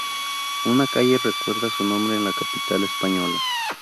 Una calle recuerda su nombre en la capital española.